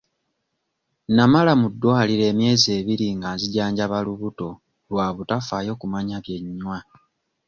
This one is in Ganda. Namala mu ddwaliro emyezi ebiri nga nzijanjaba lubuto lwa butafaayo kumanya bye nnywa.